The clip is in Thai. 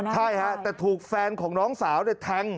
แต่ถูกแฟนของน้องสาวได้แทง